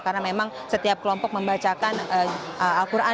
karena memang setiap kelompok membacakan al quran